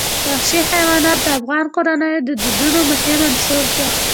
وحشي حیوانات د افغان کورنیو د دودونو مهم عنصر دی.